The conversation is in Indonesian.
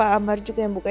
aku memikirkan diri sendiri